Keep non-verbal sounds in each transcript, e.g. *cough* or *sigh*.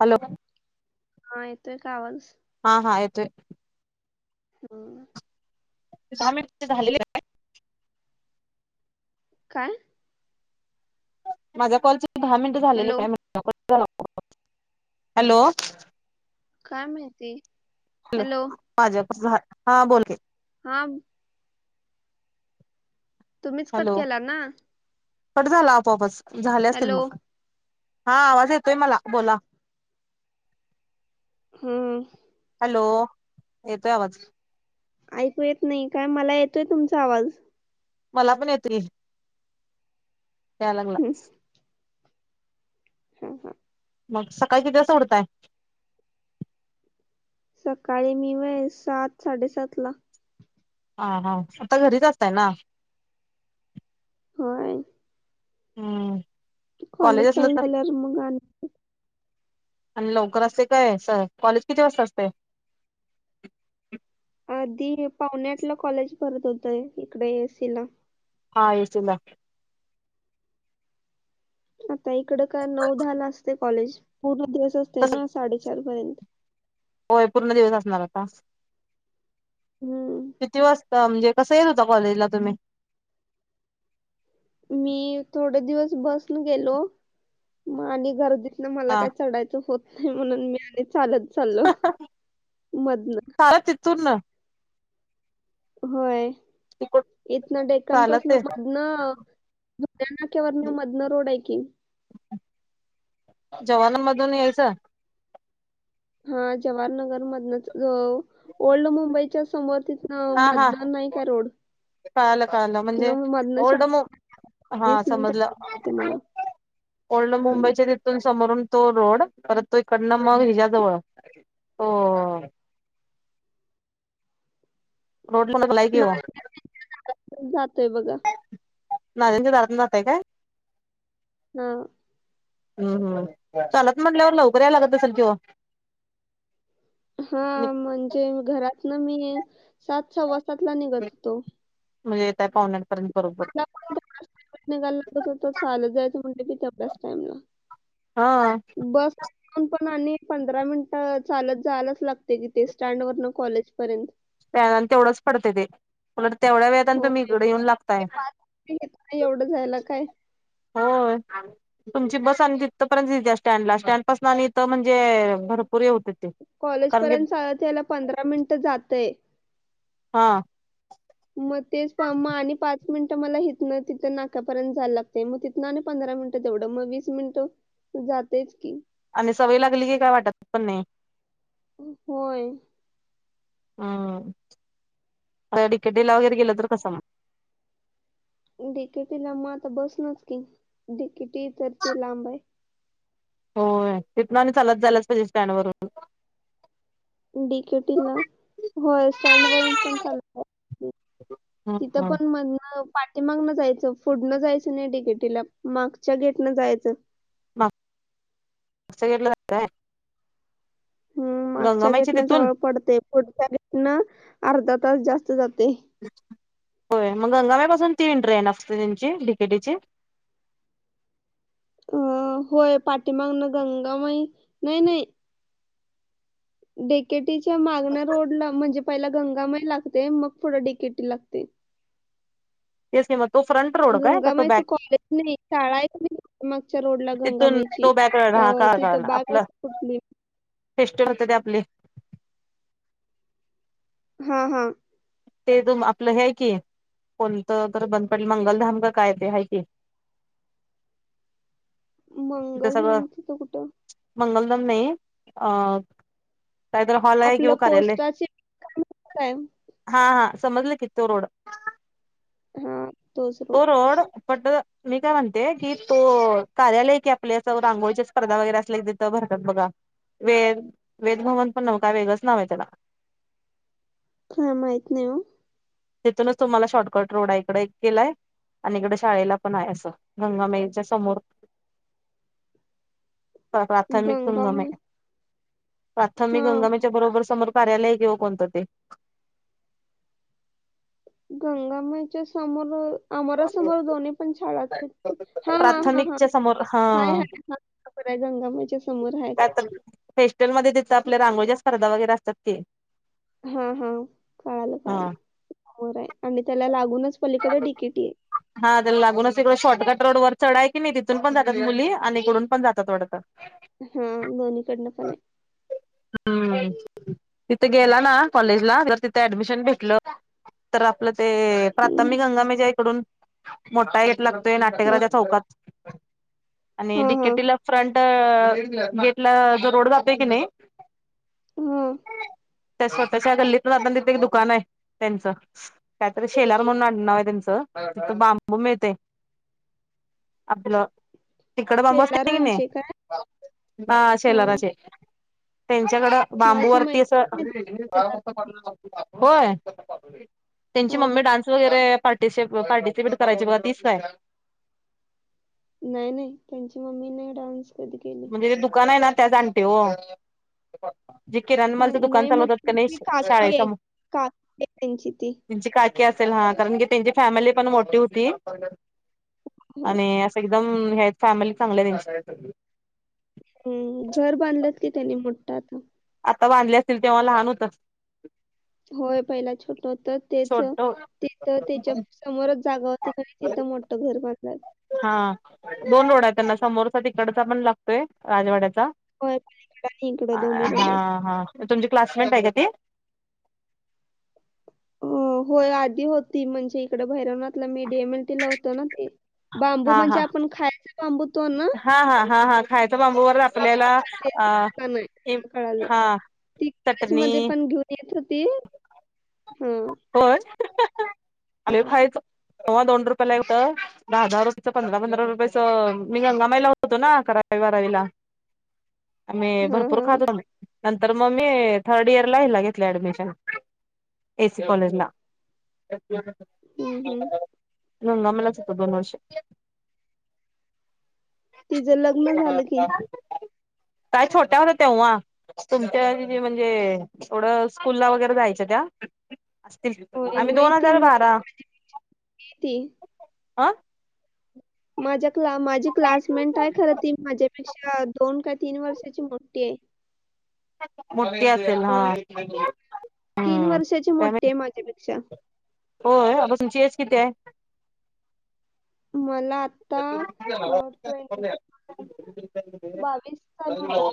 Hello. हां, येतोय का आवाज? हा.. हा, येतोय. हम्म्. दहा मिनिटं, झालेली आहे. कायं माझ्यां कॉलचे दहा मिनिटं झालेली हॅलो कायं म्हंटल हॅलो कायं म्हणते हॅलो माझ्यांपासून हां बोलकी हां तुम्हीचं कंट केलां नां कंट झालां आपोआंपच झाले असतील हॅलो मंग हां आवांज येतोय मलां बोलां हम्मं हॅलो येतोयं आवांज ऐकूं येतं नाहीं कायं मलां येतोयं तुमचां आवांज मलां पणं येतोयं यां लागंला हम्म. हं हम्मं मंग सकाळीं किती वाजतां उठतांय सकाळीं मी होयं सांत साडेसांत लां हं हां सकाळीं घरीचं असतांय नां होयं हम्मं कॉलेज असलं चालू तरं झाल्यावर मग आणि आणि लवकरं असतें कायं सर कॉलेज किती वाजतां असतंय आधी पावणे आंठ लां कॉलेज भरतं होतंय ईकडे ऐसी लां हां ऐसी लां आतां ईकडे कां नऊ दहा लां असतें कॉलेज पूर्ण दिवसं असतें नां साडेचार पर्यंतं होयं पूर्ण दिवसं असणारं आतां हम्मं किती वाजतां म्हणजे कसं येतं होतां कॉलेजलां तुम्हीं मी थोडे दिवसं बसून गेलो आणि घरं नां मलां हा कायं चढायचं होतं नाहीं म्हणूंन मी आणि चालतं चाललो मधून चालतं तिथूंन होयं तिक इथंन डेकनपांसन चालते पूढणं धुपत्यांनाच्यांवरन मधलां रोडं आहे की जवानांमधूंन यांयचं हां जवाहरनगरं मधूनच अं ओल्ड मुंबईच्यां समोरं तिथंन हां हा हा मधन नाहीं कां रोडं कळालं कळालं म्हणजे ओल्ड शॉर्ट वीस हां समजलं मिनिटं ते मला ओल्ड हम्म. मुंबईच्यां तिथूंन समोरूंन तो रोडं परंत तो इकडनं मंग हिज्याजवळं हम्मं रोडं झालांय की ओ जातोयं बघां नाल्यांच्या दारातूंन जातांय कायं हां हम्म हम्मं चालतं म्हंटल्यावर लवकरं यां लागतं असेलं किं हो हां म्हंणजे घरांत नां मी सांत संवा सांतलां निघंत होतो म्हंणजे येतंय पावनेआंठपर्यंत बरोबर घा लागतं हो चालतं जायचं म्हणते कि तेवढ्यांच टाइमलां हां बसं पणं आणि पंधरां मिनिटं चालतं जायंलाच लागते तिथे स्टँड वरनं कॉलेजपर्यंत प्यांनन तेवढंच पडतंय ते उलटं तेवढ्यां वेळेेतं हो तुम्हीं ईकडे येऊंन लागतांय ते पाच मिनिटं घेतात एवढं जायला काय होयं तुमंची बसं आणि तिथंपर्यंत स्टँडलां स्टँड पासूंन आणि इथं म्हणजे भरंपूर हे होतंय कॉलेज पर्यंत चाल यायला पंधरा मिनिट जातंय. हा मग तेच मग आणि पाच मिनिटं मला हिथन तिथं नाक्यापर्यंत जायला लागते मग तिथं ना पंधरा मिनिट तेवढं म वीस मिनिट जातेच की आणि सवय लागली की काय वाटतं पण नाही. होय हम्म अ डिकेडेला वगैर गेलद कसं मग डिकेटी लांब आता बसणारच की डीकेटी तर ते लांब आहे. हो तिथन आणि चालत झालाच पाहिजे स्टँड वरून डीकेटी ला होय स्टँड वरून पण चालत तिथं हम्म पण मधन पाठीमागणं जायचं फुडणं जायचं नाही डिकेटीला मागच्या गेटनं जायचं. मागच्या गेटला रस्ता आहे. हम्म मागच्या गंगामाईची गेटन तिथून जवळ पडते पुढच्या गेटनं अर्धा तास जास्त जाते. होय मग गंगाम पासून तीन ट्रेन असते त्यांची तिकेटीची अ होय पाठीमागण गंगामई नाही नाही डेकेटीच्या मागणा रोड ला म्हणजे पहिला गंगामय लागते मग पुढ डिकेटी लागते. तेच की मग तो फ्रंट रोड काय का तो गंगामाईच बॅक कॉलेज नाही शाळा आहे. मागच्या रोड ला तिथून गंगामईची तो बॅक अ हा का तिथं बाग कुठली टेस्टे होते ते आपले हा हा ते तु आपलं हे आहे की कोणतं तर बंद पडलं मंगलधाम का काय ते हाय की मंगलधामच त कुठं? मंगलदम नाही अ कायतर हॉल आपलं आहे कार्यालय पोस्टाचे काय हा हा समजलं कि तो रोड हा तो रोड पट मी काय म्हणते की तो कार्यालय की आपल्या असं रांगोळीच्या स्पर्धा वगैरे असल्या तथ भरतात बघा वेद वेद भवन पण न का वेगंळच नाव आहे त्याला हां माहित नाही ओ तिथूनच तुम्हाला शॉर्टकट रोडा इकडे केलाय आणि इकडं शाळेला पण आहे असं गंगामेईच्या समोर प्राथमिक गंगामय गंगामाई प्राथमिक हा गंगामाई त्या बरोबर समोर कार्यालय किं कोणतं ते गंगामाईच्या समोर अमरासमोर दोन्ही पण शाळा हा हा हा हा प्राथमिकच्या समोर हा हाय हाय हा गंगामाच्या समोर आहेत. काय फेस्टल मध्ये देत आपल्या रांगोळच्या स्पर्धा वगैरे असतात की हा हा कळालं हा कालं समोर आहे आणि त्याला लागूनच पलीकडे डिकीटी आहे. हा त्याला लागूनच इकडं शॉर्टकट रोड वर चढ आहे कि नाही तिथून पण जातात मुली आणि इकडून पण जात चढ आहे. हा दोन्हीकड पण आहे. हम्म तिथे गेला ना कॉलेजला तर तिथे ऍडमिशन भेटलं. तर आपलं ते हम्म. प्राथमिक गंगामाई इकडून मोठा गेप लागतोय हा नाट्यगराच्या चौकात आणि हा हा डिकेटीला फ्रंट गेटला जो रोड जातोय की नाही हा त्या स्वतःच्या गल्लीतून जाताना तिथे एक दुकान आहे त्यांचं त्यात शेलर म्हणून नाव आहे त्यांच तिथ बांबू मिळते आपलं तिखट बाबू असतं की नाही शेलारांचे काय ह हा शेलाराचे त्यांच्याकडं माझी बांबूवररती माहिती नाही शेलार होय त्यांची होय मम्मी डान्स वगैरे. ते पार्टिस पार्टिसिपेट करायची बघ तीच काय. नाही नाही त्यांची मम्मी नाही डान्स कधी केली. म्हणजेे दुकान आहे ना त्या जाणटे हो. जितके किराणमालचं हं, दुकान नाही मग चालवतात का नाही त्यांची शाळे काकी आहे मू काकी आहे त्यांची ती त्यांची काकी असेल हा कारण की त्यांची फॅमिली पण मोठी होती. हो. आणि असं एकदम हे आहेत फॅमिली चांगल्या त्यांची. हम् घर बांधलंत की त्यानी म्हटत आता. आता बांधले असतील तेव्हा लहान होत. होय पहिला छोट होतं तेच छोट तिथं त्याच्या पू स समोरच जागा होती काही तिथं मोठं घर बांधला. हा दोन रोड आहेत त्यांना समोरचा तकडचा पण लागतोय राजवाड्याचा. हो तिकडं आणि इकडं दोन्ही रोड हा आहेत. हा तुमची क्लासमेट आहे का ती. अ होय आधी होती म्हणजे इकडे भैरवणातला मीडियम एलटी होतो ना ती. बांबू हा म्हणजे हा आपण खायचा बांबू तो ना. हा हा हा हा खायचा बांबूवर हा, आपल्याला ते अ. दुकान आहे एम हा, कळालं हा ती चटणी. कॉलेजमध्ये येत होती. हाम. होय लय खायचं तेव्हा दोन रुपय ला होत. दहा दहा रुपयाच पंधरा पंधरा रुपयेच मी गंगामाईला होतो ना अकरा बाराविला. *inaudible* आम्ही हा भरपूर हा खातो बाई नंतर मग मी थर्ड इयर ला हला घेतले ऍडमिशन. कॉलेजला. हम्म हम्म. गंगामाईलाच होतो दोन वर्ष. तिचं लग्न झालं की काय छोट्या होत तेव्हा. तुमच्या जे म्हणजे एवढं स्कूल ला वगैरे जायचं त्या. असतील होय आमी नाही दोन ती हजार मोठी बारा ती हं. माझ्या क्ला माझी क्लासमेट आहे खर ती माझ्यापेक्षा. ती अ दोन का तीन वर्षाची मोठी आहे. मोठी असेल हा अ, तीन हम्म वर्षाची काय मोठी आहे माझ्यापेक्षा माहिती. होय अ तुमची एज किती आहे. मला आत्ता. बावीस चालू होणार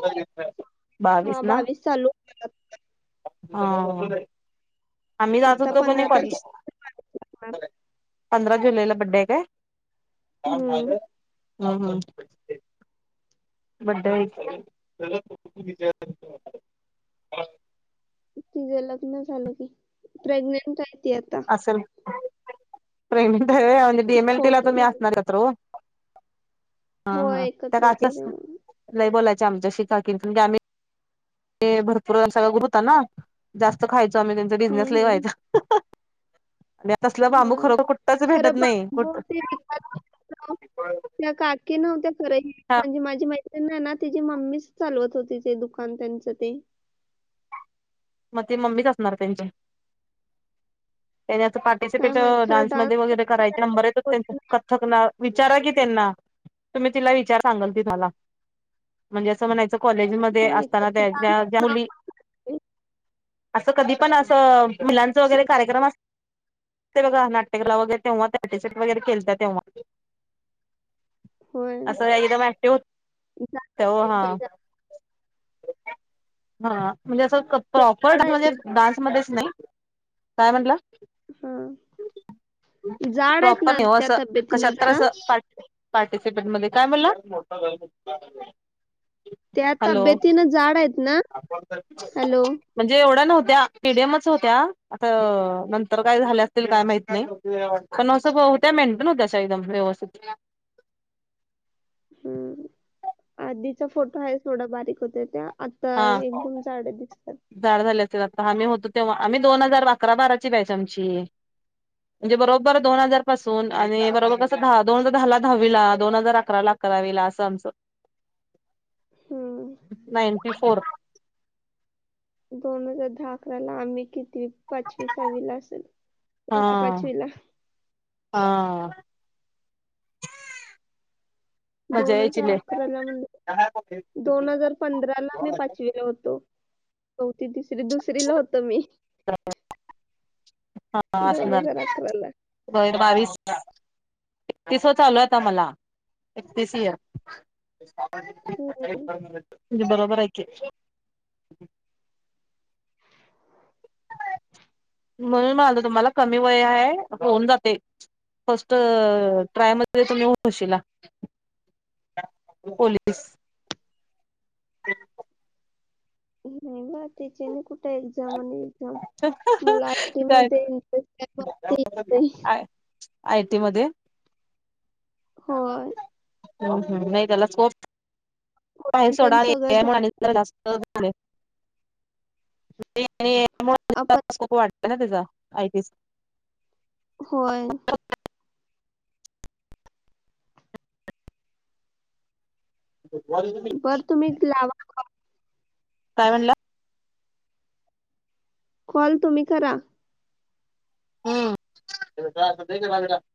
*inaudible* बावीस हा ना. चालू होणार ह आम्ही जात आता होतो का नाय पंधरा कॉलेज. तारखेला बावीस लागणार पधरा जुलैला बर्डे हाय काय. हम्म हा हा. बर्डे हाय की. तिझं लग्न झालं कि प्रेग्नेंट आहे ती आता. असेल प्रेगंट हाय व्हय डीएमएल टी ला तु फोटो लाव असणारत हो. हा होय हा त्या एकत्र का होतो कलर्स तेव्हा लय बोलायच आमच्या शि काकीन म्हणजे आम्ही. ते भरपूर सगळ ग्रुप होत ना जास्त खायचो आम्ही त्यांचा बिझनेस हम्म लय हम्म व्हायचा. म्या तसला बांबू होय खरोखर कुठच भेटत खरं नाही बांबू कुठ. ते विकायला होतं. त्या का नव्हत्या खरं म्हणजे माझी माहिती. ते नाही ना तिची मम्मीच चालवत होती ते दुकान त्यांचं ते. मग ते मम्मीच असणार त्यांची त्यानी पाच. काय माहित त्याे खरं डान्स डान्समध्ये *unintelligible* वगैरे करायचे काय नंरच बोलले नाही. कथकना विचारा की त्यांना तुम्ही तिला विचार सांगाल ति मला म्हणजे असं म्हणायचं कॉलेजमध्ये होय असताना कविता त्या नाव मुली आहे. असं कधी पण असं मुलांचं वगैरे कार्यक्रम अस ते बघा नाटकला वगैरे तेव्हा त्याटट वगैरेतात तेव्हा *inaudible* असं एकदम ऍक्टिव होत झाड ते हा त्याच्या- हा म्हणजे असं ते प्रॉपर झाड आहेत म्हणजे ना डान्समध्येच नाही काय म्हटलं हा जाड आहेत प्रॉपर ना नाही हो त्या असं कशात तब्येतीनं तर जरा अस पाठ पार्टिसिपेंट मध्ये काय मुला त्या हॅलो तब्येतीनं जाड आहेत ना हॅलो म्हणजे एवढ्या नव्हत्या पडीएमच होत्या आता नंतर काय झाल्या असतील काय माहित नाही पण असं होत्या मेंटेन होत्या म व्यवस्थित हम्म आधीचा फोटो आहे थोडा बारीक होत त्या एकदम झाड दिसतात झाड झाले असेल आता आम्ही होतो तेव्हा आम्ही दोन हजार अकरा बाराची पाहिज आमची म्हणजे बरोबर दोन हजार पासून आणि बरोबर कसं दहा दोन हजार दहाला दहावीला दोन हजार अकरा ला करावील असं आमचं *inaudible* हम्म. नाईंटी फोर दोन हजार दहा अकरा ला आम्ही किती पाचवी सहावी ला असेल हा होती पाचवीला हा दोन हजार अकरा ला म्हणजे का पे दोन हजार पंधरा ला मी पाचवीला होतो चौती तिसरी दुसरी ला होत मी दोन हजार अकराला दोन हजार बावीस एकतीस व चालूता मला एकतीस इयर हम्म. म्हणजे बरोबर ऐक म्हणून म्हणालं तुम्हाला कमी वय आहे होऊन जाते फर्स्ट ट्राय मध्ये तुम्हीशला पोलीस ब नाही ब त्याच्यानी कुठे एक्झाम आणि एक्झाम मला आयटी का मध्ये इंटरेस्ट आहे मला ते येतंय. आयटी मध्ये होय हम् हम नाही तेेला सोप पा इंटर्न सगळं जम- सोडामुळे जास्त त्यामुळे आपण खूप वाटत ना त्याचा आयटीस होय गरी बर तुम्ही लावा काय म्हणलं कॉल तुम्ही करा असगला *inaudible*